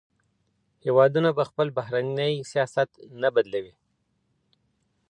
هيوادونه به خپل بهرنی سياست نه بدلوي.